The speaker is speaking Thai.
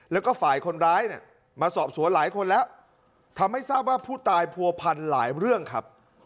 แล้วก็ฝ่ายคนร้ายเนี่ยมาสอบสวนหลายคนแล้วทำให้ทราบว่าผู้ตายผัวพันหลายเรื่องครับ